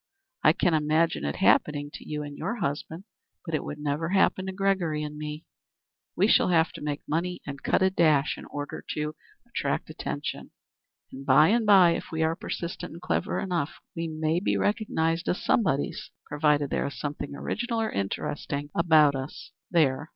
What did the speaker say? I can imagine it happening to you and your husband. But it would never happen to Gregory and me. We shall have to make money and cut a dash in order to attract attention, and by and by, if we are persistent and clever enough, we may be recognized as somebodies, provided there is something original or interesting about us. There!